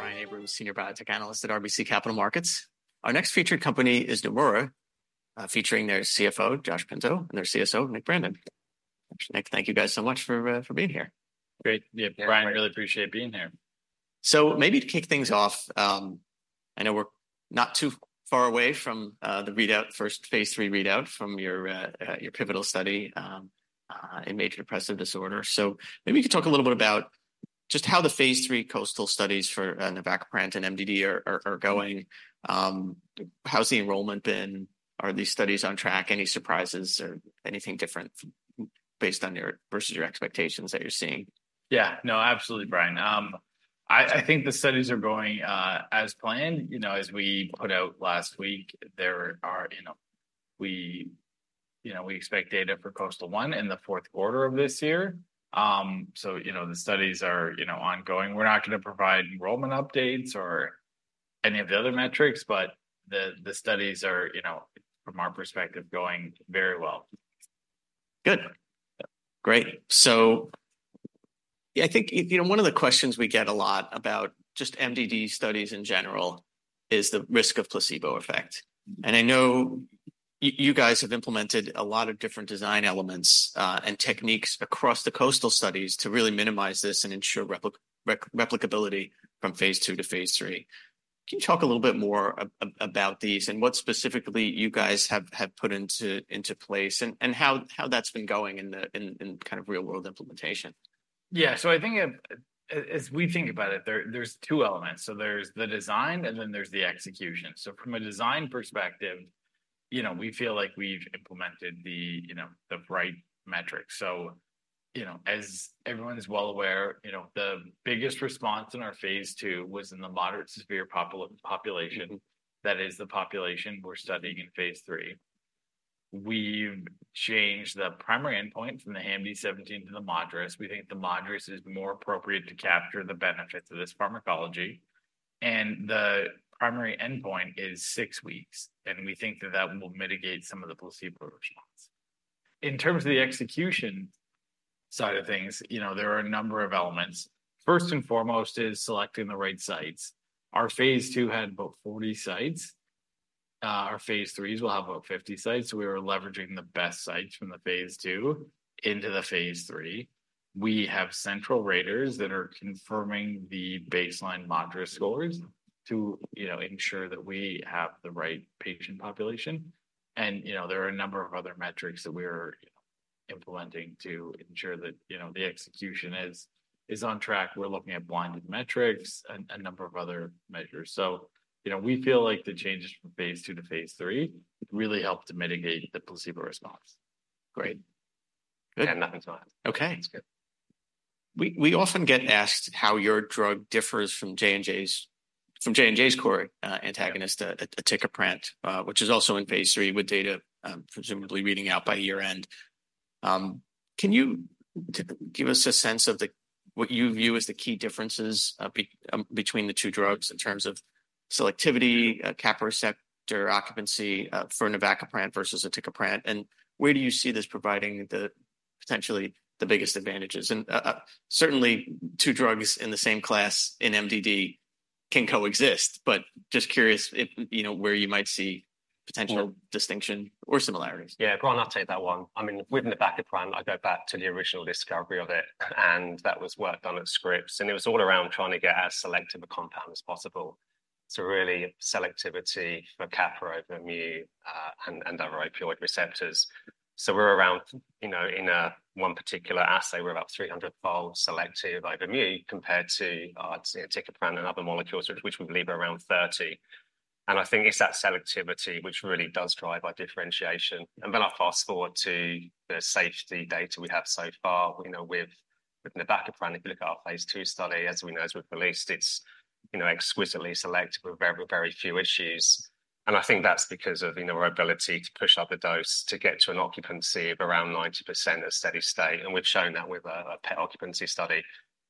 Brian Abrahams, Senior Biotech Analyst at RBC Capital Markets. Our next featured company is Neumora, featuring their CFO, Josh Pinto, and their CSO, Nick Brandon. Actually, Nick, thank you guys so much for being here. Great. Yeah, Brian, really appreciate being here. So maybe to kick things off, I know we're not too far away from the readout, first phase III readout from your pivotal study in major depressive disorder. So maybe you could talk a little bit about just how the phase III KOSTAL studies for navacaprant and MDD are going. How's the enrollment been? Are these studies on track? Any surprises or anything different based on your versus your expectations that you're seeing? Yeah, no, absolutely, Brian. I think the studies are going as planned, you know, as we put out last week. There are, you know, we expect data for KOSTAL-1 in the 4th quarter of this year. So, you know, the studies are ongoing. We're not going to provide enrollment updates or any of the other metrics, but the studies are, you know, from our perspective, going very well. Good. Great. So yeah, I think, you know, one of the questions we get a lot about just MDD studies in general is the risk of placebo effect. And I know you guys have implemented a lot of different design elements, and techniques across the KOSTAL studies to really minimize this and ensure replicability from phase II to phase III. Can you talk a little bit more about these and what specifically you guys have put into place and how that's been going in the kind of real-world implementation? Yeah, so I think, as we think about it, there are two elements. So there's the design, and then there's the execution. So from a design perspective, you know, we feel like we've implemented the, you know, the right metrics. So, you know, as everyone's well aware, you know, the biggest response in our phase II was in the moderate to severe population. That is the population we're studying in phase III. We've changed the primary endpoint from the HAM-D17 to the MADRS. We think the MADRS is more appropriate to capture the benefits of this pharmacology. And the primary endpoint is six weeks. And we think that that will mitigate some of the placebo response. In terms of the execution side of things, you know, there are a number of elements. First and foremost is selecting the right sites. Our phase II had about 40 sites. Our phase IIIs will have about 50 sites. So we were leveraging the best sites from the phase II into the phase III. We have central raters that are confirming the baseline MADRS scores to, you know, ensure that we have the right patient population. And, you know, there are a number of other metrics that we're, you know, implementing to ensure that, you know, the execution is on track. We're looking at blinded metrics and a number of other measures. So, you know, we feel like the changes from phase II to phase III really helped to mitigate the placebo response. Great. Good. Nothing's gone. Okay. That's good. We often get asked how your drug differs from J&J's KOR antagonist, aticaprant, which is also in phase III with data, presumably reading out by year end. Can you give us a sense of what you view as the key differences between the two drugs in terms of selectivity, kappa receptor occupancy for navacaprant versus aticaprant? And where do you see this providing the potentially the biggest advantages? And certainly, two drugs in the same class in MDD can coexist. But just curious if, you know, where you might see potential distinction or similarities. Yeah, go on. I'll take that one. I mean, with navacaprant, I go back to the original discovery of it, and that was work done at Scripps Research, and it was all around trying to get as selective a compound as possible. So really, selectivity for kappa over mu and other opioid receptors. So we're around, you know, in one particular assay, we're about 300-fold selective over mu compared to, you know, aticaprant and other molecules, which we believe are around 30. And I think it's that selectivity which really does drive our differentiation. And then I'll fast forward to the safety data we have so far, you know, with navacaprant. If you look at our phase II study, as we know, as we've released, it's, you know, exquisitely selective with very, very few issues. I think that's because of, you know, our ability to push up the dose to get to an occupancy of around 90% at steady state. We've shown that with a PET occupancy study.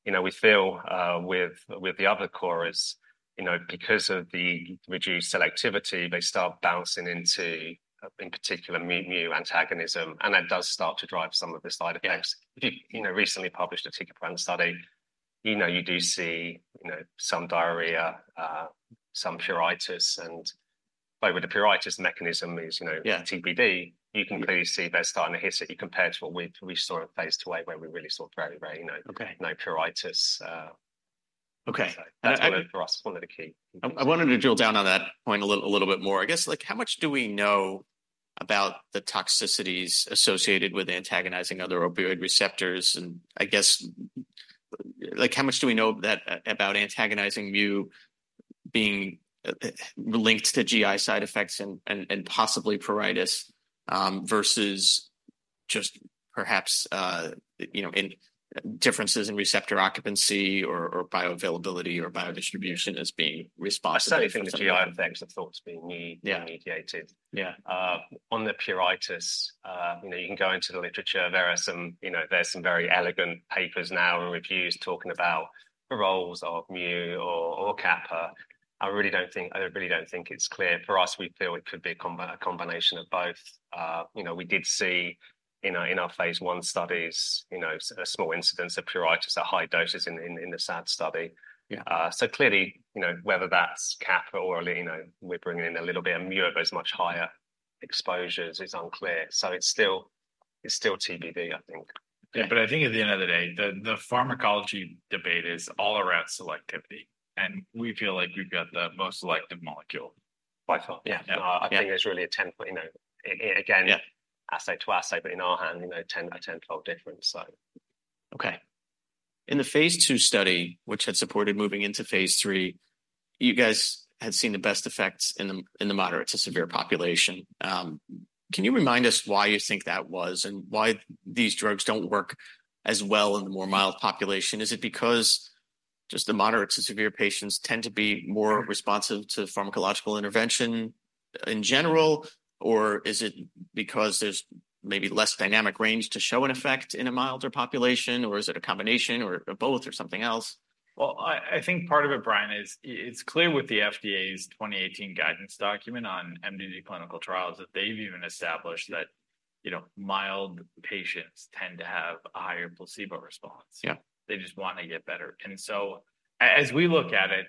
You know, we feel with the other KORs, you know, because of the reduced selectivity, they start bouncing into, in particular, mu antagonism, and that does start to drive some of the side effects. If you, you know, recently published a aticaprant study. You know, you do see, you know, some diarrhea, some pruritus, and. But the pruritus mechanism is, you know, TBD, you can clearly see they're starting to hit it compared to what we saw in phase II, where we really saw very, very, you know, no pruritus. Okay. That's really for us, one of the key. I wanted to drill down on that point a little bit more, I guess. Like, how much do we know about the toxicities associated with antagonizing other opioid receptors? And I guess, like, how much do we know that about antagonizing mu being linked to GI side effects and possibly pruritus versus just perhaps, you know, in differences in receptor occupancy or bioavailability or biodistribution as being responsible. I certainly think the GI effects are thought to be mediated. Yeah, on the pruritus, you know, you can go into the literature. There are some, you know, there's some very elegant papers now and reviews talking about the roles of mu or kappa. I really don't think it's clear for us. We feel it could be a combination of both. You know, we did see, you know, in our phase I studies, you know, a small incidence of pruritus at high doses in the SAD study. So clearly, you know, whether that's kappa or, you know, we're bringing in a little bit of mu off at much higher exposures is unclear. So it's still TBD, I think. Yeah. But I think at the end of the day, the pharmacology debate is all around selectivity. And we feel like we've got the most selective molecule. By far. Yeah. And I think there's really a 10-, you know, again, assay to assay, but in our hand, you know, 10- to 10-fold difference, so. Okay. In the phase II study, which had supported moving into phase III, you guys had seen the best effects in the moderate to severe population. Can you remind us why you think that was, and why these drugs don't work as well in the more mild population? Is it because just the moderate to severe patients tend to be more responsive to pharmacological intervention in general, or is it because there's maybe less dynamic range to show an effect in a milder population, or is it a combination or both or something else? Well, I think part of it, Brian, is it's clear with the FDA's 2018 guidance document on MDD clinical trials that they've even established that, you know, mild patients tend to have a higher placebo response. Yeah. They just want to get better. And so, as we look at it,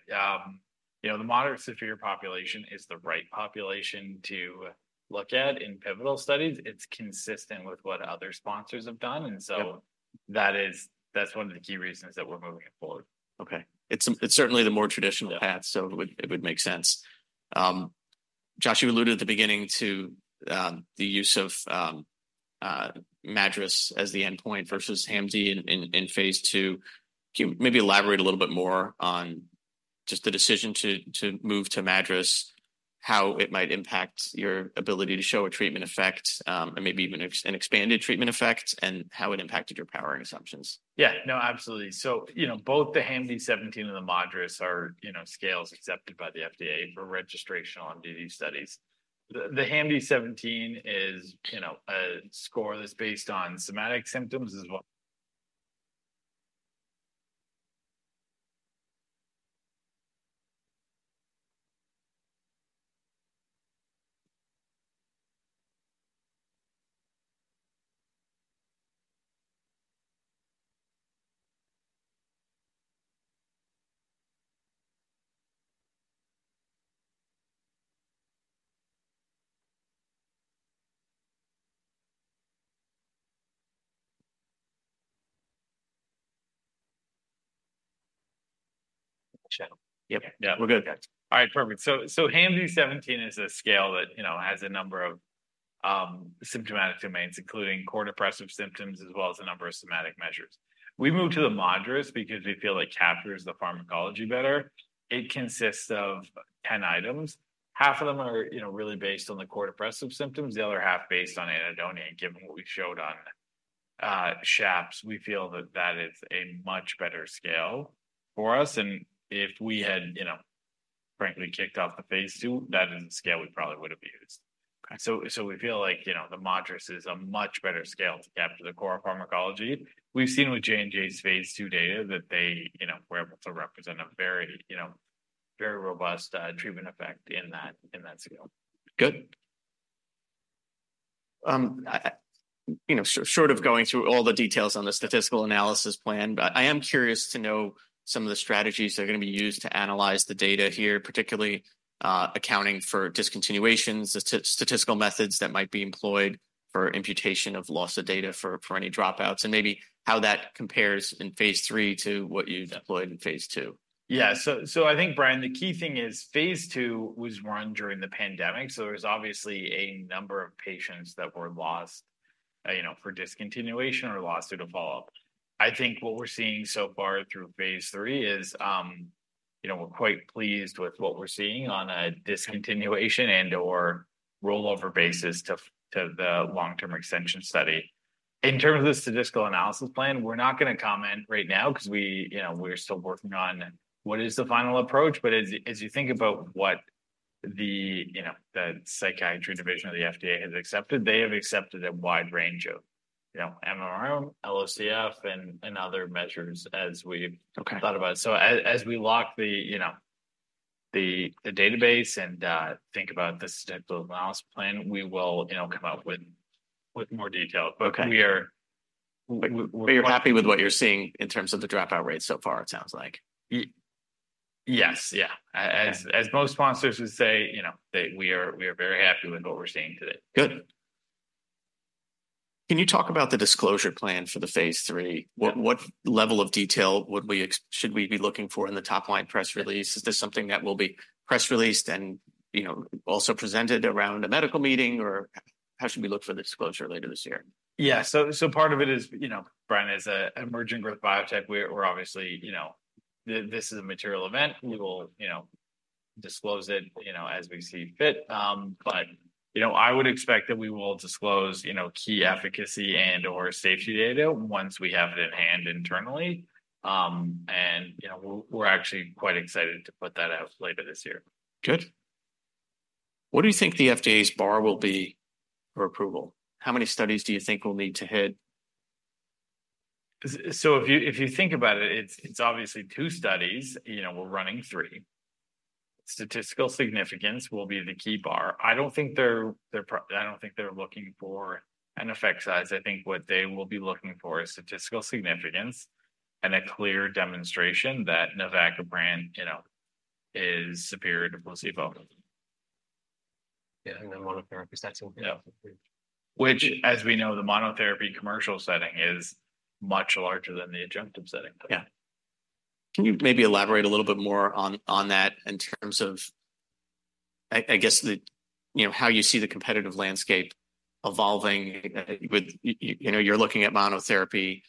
you know, the moderate to severe population is the right population to look at in pivotal studies. It's consistent with what other sponsors have done. And so that is that's one of the key reasons that we're moving it forward. Okay. It's certainly the more traditional path. So it would make sense. Joshua, you alluded at the beginning to the use of MADRS as the endpoint versus HAM-D in phase II. Can you maybe elaborate a little bit more on just the decision to move to MADRS, how it might impact your ability to show a treatment effect, and maybe even an expanded treatment effect, and how it impacted your powering assumptions? Yeah, no, absolutely. So, you know, both the HAM-D17 and the MADRS are, you know, scales accepted by the FDA for registration on MDD studies. The HAM-D17 is, you know, a score that's based on somatic symptoms as well. Gotcha. Yep. Yeah, we're good. Gotcha. All right. Perfect. So HAM-D17 is a scale that, you know, has a number of symptomatic domains, including core depressive symptoms, as well as a number of somatic measures. We moved to the MADRS because we feel like capture is the pharmacology better. It consists of 10 items. Half of them are, you know, really based on the core depressive symptoms. The other half, based on anhedonia. And given what we showed on SHAPS, we feel that that is a much better scale for us. And if we had, you know, frankly, kicked off the phase II, that is a scale we probably would have used. So so we feel like, you know, the MADRS is a much better scale to capture the core pharmacology. We've seen with J&J's phase II data that they, you know, were able to represent a very, you know, very robust treatment effect in that scale. Good. You know, short of going through all the details on the statistical analysis plan, I am curious to know some of the strategies that are going to be used to analyze the data here, particularly accounting for discontinuations, the statistical methods that might be employed for imputation of loss of data for any dropouts, and maybe how that compares in phase III to what you've deployed in phase II. Yeah. So, I think, Brian, the key thing is phase II was run during the pandemic. So there was obviously a number of patients that were lost, you know, for discontinuation or lost due to follow-up. I think what we're seeing so far through phase III is, you know, we're quite pleased with what we're seeing on a discontinuation and/or rollover basis to the long-term extension study. In terms of the statistical analysis plan, we're not going to comment right now, because we, you know, we're still working on what is the final approach. But as you think about what the, you know, the psychiatry division of the FDA has accepted, they have accepted a wide range of, you know, MMRM, LOCF, and other measures, as we've thought about it. So as we lock the, you know, the database and think about the statistical analysis plan, we will, you know, come out with more detail. But we are. But you're happy with what you're seeing in terms of the dropout rate so far, it sounds like. Yes. Yeah. As most sponsors would say, you know, that we are very happy with what we're seeing today. Good. Can you talk about the disclosure plan for the phase III? What level of detail should we be looking for in the topline press release? Is this something that will be press released and, you know, also presented around a medical meeting? Or how should we look for the disclosure later this year? Yeah. So part of it is, you know, Brian, as an emerging growth biotech, we're obviously, you know, this is a material event. We will, you know, disclose it, you know, as we see fit. But, you know, I would expect that we will disclose, you know, key efficacy and/or safety data once we have it in hand internally. And, you know, we're actually quite excited to put that out later this year. Good. What do you think the FDA's bar will be for approval? How many studies do you think we'll need to hit? So if you think about it, it's obviously two studies. You know, we're running three. Statistical significance will be the key bar. I don't think they're looking for an effect size. I think what they will be looking for is statistical significance and a clear demonstration that navacaprant, you know, is superior to placebo. Yeah. And then monotherapy setting. Yeah. Which, as we know, the monotherapy commercial setting is much larger than the adjunctive setting. Yeah. Can you maybe elaborate a little bit more on that in terms of, I guess, you know, how you see the competitive landscape evolving with, you know, you're looking at monotherapy.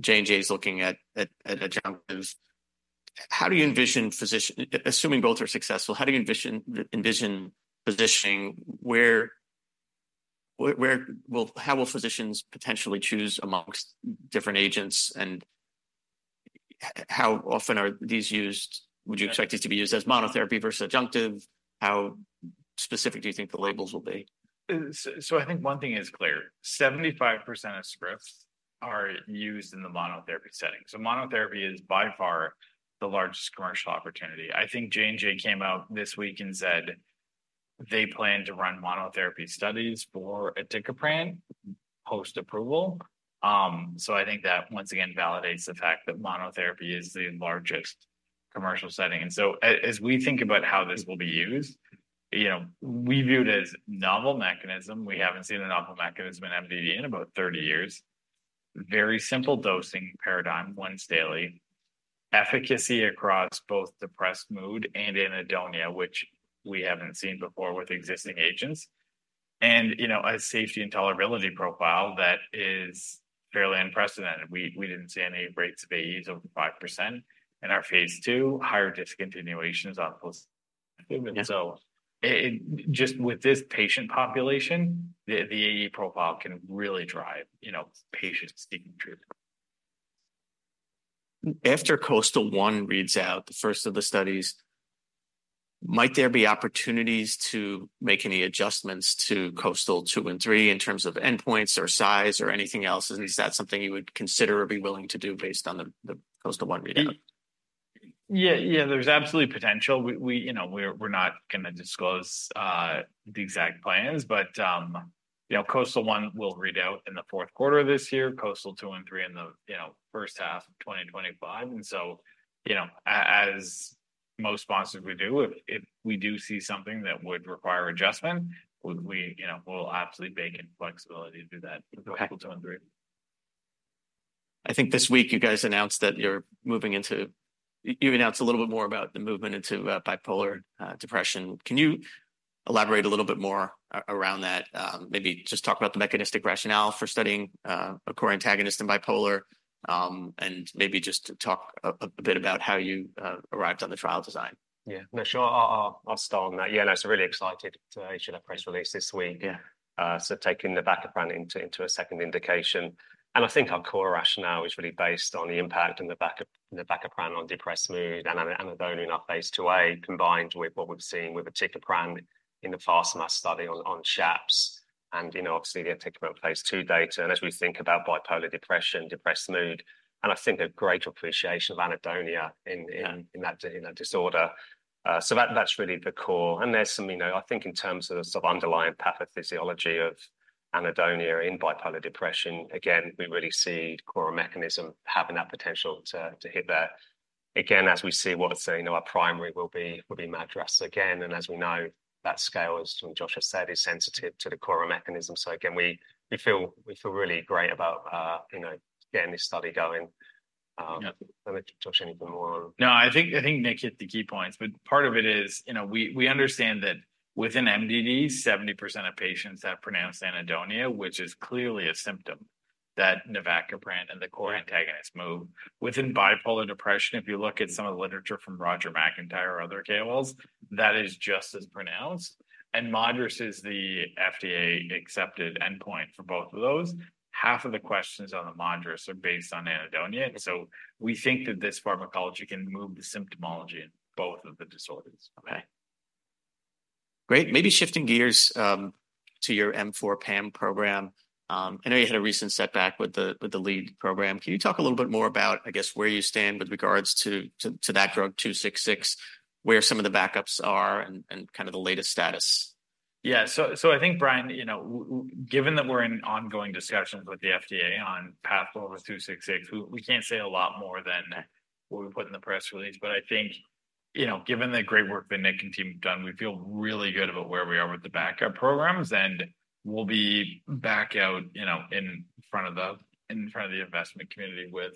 J&J's looking at adjunctive. How do you envision physician, assuming both are successful? How do you envision positioning where will how will physicians potentially choose amongst different agents? And how often are these used? Would you expect these to be used as monotherapy versus adjunctive? How specific do you think the labels will be? So I think one thing is clear. 75% of scripts are used in the monotherapy setting. So monotherapy is by far the largest commercial opportunity. I think J&J came out this week and said they plan to run monotherapy studies for aticaprant post-approval. So I think that once again validates the fact that monotherapy is the largest commercial setting. And so as we think about how this will be used, you know, we view it as novel mechanism. We haven't seen a novel mechanism in MDD in about 30 years. Very simple dosing paradigm, once daily. Efficacy across both depressed mood and anhedonia, which we haven't seen before with existing agents. And, you know, a safety intolerability profile that is fairly unprecedented. We didn't see any rates of AEs over 5% in our phase II, higher discontinuations on post. So it just with this patient population, the AE profile can really drive, you know, patients seeking treatment. After KOSTAL-1 reads out the first of the studies. Might there be opportunities to make any adjustments to KOSTAL-2 and 3 in terms of endpoints or size or anything else? And is that something you would consider or be willing to do based on the KOSTAL-1 readout? Yeah. Yeah, there's absolutely potential. We, you know, we're not going to disclose the exact plans. But, you know, KOSTAL-1 will read out in the fourth quarter of this year, KOSTAL-2 and KOSTAL-3 in the, you know, first half of 2025. And so, you know, as most sponsors we do, if we do see something that would require adjustment, we, you know, we'll absolutely bake in flexibility to do that for KOSTAL-2 and KOSTAL-3. I think this week you guys announced that you're moving into. You announced a little bit more about the movement into bipolar depression. Can you elaborate a little bit more around that? Maybe just talk about the mechanistic rationale for studying a KOR antagonist in bipolar, and maybe just talk a bit about how you arrived on the trial design. Yeah, no, sure. I'll start on that. Yeah. No, so really excited to issue that press release this week. Yeah. So taking the navacaprant into a second indication. And I think our KOR rationale is really based on the impact of the navacaprant on depressed mood and anhedonia in our phase II-A, combined with what we've seen with aticaprant in the FAST-MAS study on SHAPS. And, you know, obviously, the aticaprant phase II data. And as we think about bipolar depression, depressed mood, and I think a greater appreciation of anhedonia in that disorder. So that's really the KOR. And there's some, you know, I think, in terms of the sort of underlying pathophysiology of anhedonia in bipolar depression, again, we really see KOR mechanism having that potential to hit that. Again, as we see what's saying, you know, our primary will be MADRS again. And as we know, that scale, as Joshua said, is sensitive to the core mechanism. So again, we feel really great about, you know, getting this study going. And Joshua, anything more on? No, I think I think Nick hit the key points. But part of it is, you know, we understand that within MDD, 70% of patients have pronounced anhedonia, which is clearly a symptom that navacaprant and the KOR antagonists move. Within bipolar depression, if you look at some of the literature from Roger McIntyre or other KOLs, that is just as pronounced. And MADRS is the FDA accepted endpoint for both of those. Half of the questions on the MADRS are based on anhedonia. And so we think that this pharmacology can move the symptomology in both of the disorders. Okay. Great. Maybe shifting gears to your M4 PAM program. I know you had a recent setback with the lead program. Can you talk a little bit more about, I guess, where you stand with regards to that drug, 266, where some of the backups are, and kind of the latest status? Yeah. So I think, Brian, you know, given that we're in ongoing discussions with the FDA on the path forward for 266, we can't say a lot more than what we put in the press release. But I think, you know, given the great work Nick and the team have done, we feel really good about where we are with the backup programs. And we'll be back out, you know, in front of the investment community with,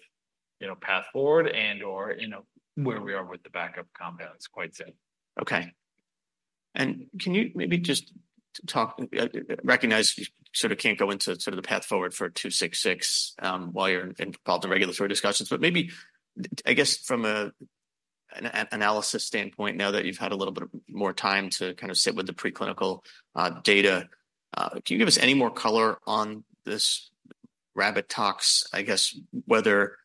you know, PathForward and/or, you know, where we are with the backup compounds quite soon. Okay. And can you maybe just talk, recognizing you sort of can't go into sort of the path forward for 266 while you're involved in regulatory discussions. But maybe, I guess, from an analysis standpoint, now that you've had a little bit more time to kind of sit with the preclinical data, can you give us any more color on this rabbit tox, I guess, whether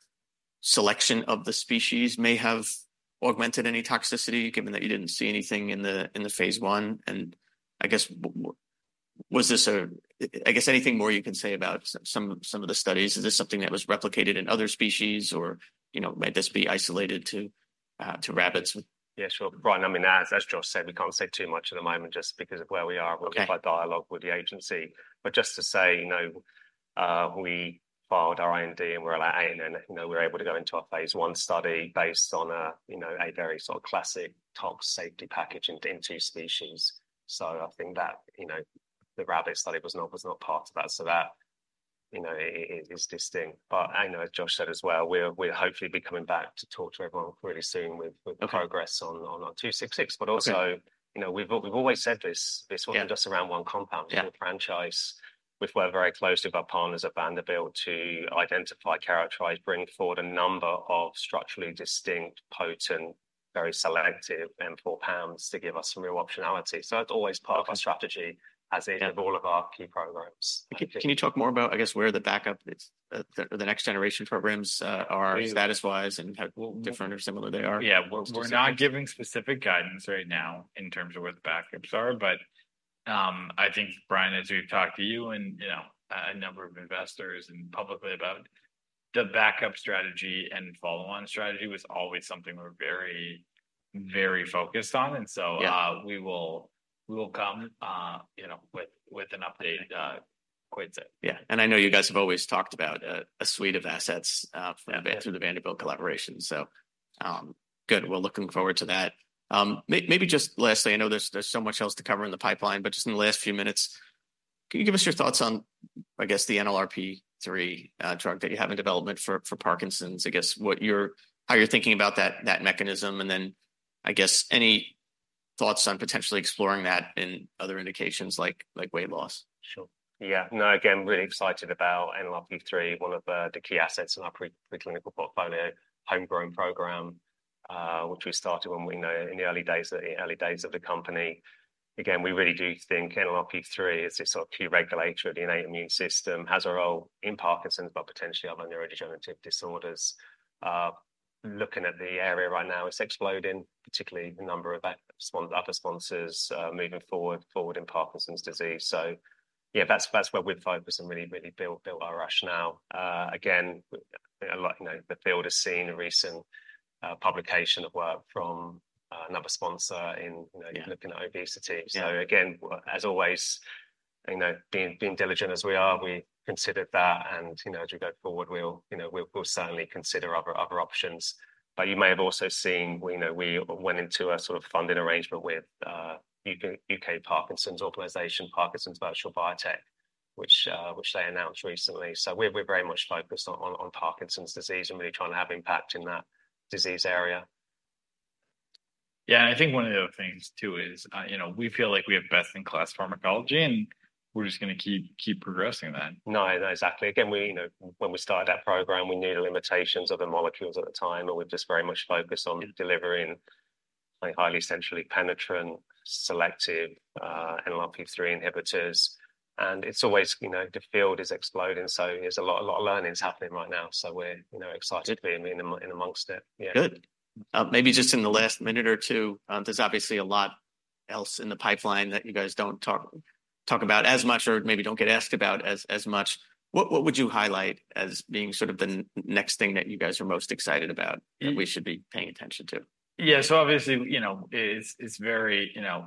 selection of the species may have augmented any toxicity, given that you didn't see anything in the phase I? And I guess, was this, I guess, anything more you can say about some of the studies? Is this something that was replicated in other species? Or, you know, might this be isolated to rabbits? Yeah, sure, Brian. I mean, as Josh said, we can't say too much at the moment just because of where we are. We'll keep our dialogue with the agency. But just to say, you know, we filed our IND, and we're allowed in. And, you know, we're able to go into our phase I study based on a, you know, a very sort of classic tox safety package in two species. So I think that, you know, the rabbit study was not part of that. So that, you know, is distinct. But I know, as Josh said as well, we're hopefully coming back to talk to everyone really soon with progress on 266. But also, you know, we've always said this. This wasn't just around one compound. We're a franchise. We've worked very closely with our partners at Vanderbilt to identify, characterize, bring forward a number of structurally distinct, potent, very selective M4 PAMs to give us some real optionality. So that's always part of our strategy, as is with all of our key programs. Can you talk more about, I guess, where the backup, the next generation programs are status-wise and how different or similar they are? Yeah. We're not giving specific guidance right now in terms of where the backups are. But I think, Brian, as we've talked to you and, you know, a number of investors and publicly about the backup strategy and follow-on strategy was always something we're very, very focused on. And so we will come, you know, with an update quite soon. Yeah. And I know you guys have always talked about a suite of assets through the Vanderbilt collaboration. So good. We're looking forward to that. Maybe just lastly, I know there's so much else to cover in the pipeline. But just in the last few minutes, can you give us your thoughts on, I guess, the NLRP3 drug that you have in development for Parkinson's? I guess what you're, how you're thinking about that mechanism. And then, I guess, any thoughts on potentially exploring that in other indications like weight loss? Sure. Yeah. No, again, really excited about NLRP3, one of the key assets in our preclinical portfolio, homegrown program, which we started when we, you know, in the early days of the early days of the company. Again, we really do think NLRP3 is this sort of key regulator of the innate immune system, has a role in Parkinson's, but potentially other neurodegenerative disorders. Looking at the area right now, it's exploding, particularly the number of other sponsors moving forward in Parkinson's disease. So yeah, that's where we've focused and really built our rationale. Again, a lot, you know, the field has seen a recent publication of work from another sponsor in, you know, looking at obesity. So again, as always, you know, being diligent as we are, we considered that. You know, as we go forward, we'll, you know, certainly consider other options. But you may have also seen, you know, we went into a sort of funding arrangement with Parkinson's UK, Parkinson's Virtual Biotech, which they announced recently. So we're very much focused on Parkinson's disease and really trying to have impact in that disease area. Yeah. And I think one of the other things, too, is, you know, we feel like we have best-in-class pharmacology, and we're just going to keep progressing that. No, no, exactly. Again, we, you know, when we started that program, we knew the limitations of the molecules at the time. And we've just very much focused on delivering highly centrally penetrant, selective NLRP3 inhibitors. And it's always, you know, the field is exploding. So there's a lot a lot of learning is happening right now. So we're, you know, excited to be in amongst it. Yeah. Good. Maybe just in the last minute or two, there's obviously a lot else in the pipeline that you guys don't talk about as much or maybe don't get asked about as much. What would you highlight as being sort of the next thing that you guys are most excited about that we should be paying attention to? Yeah. So obviously, you know, it's very, you know,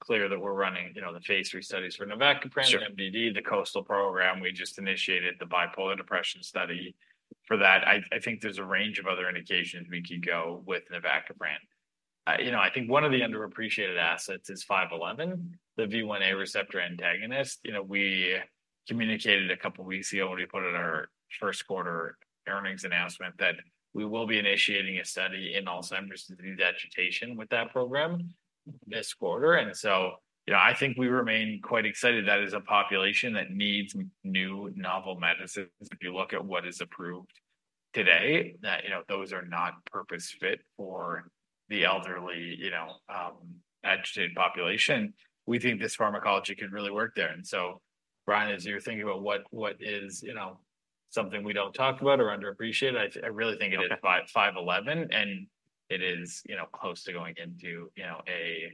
clear that we're running, you know, the phase III studies for navacaprant and MDD, the KOSTAL program. We just initiated the bipolar depression study for that. I think there's a range of other indications we could go with navacaprant. You know, I think one of the underappreciated assets is 511, the V1a receptor antagonist. You know, we communicated a couple of weeks ago when we put out our first quarter earnings announcement that we will be initiating a study in Alzheimer's disease agitation with that program this quarter. And so, you know, I think we remain quite excited. That is a population that needs new novel medicines. If you look at what is approved today, that, you know, those are not purpose fit for the elderly, you know, agitated population. We think this pharmacology could really work there. So, Brian, as you're thinking about what is, you know, something we don't talk about or underappreciate, I really think it is 511. And it is, you know, close to going into, you know, a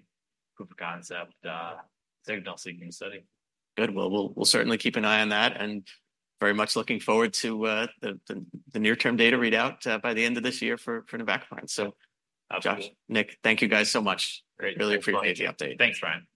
proof of concept signal-seeking study. Good. Well, we'll certainly keep an eye on that. Very much looking forward to the near-term data readout by the end of this year for navacaprant. So, Josh, Nick, thank you guys so much. Really appreciate the update. Thanks, Brian.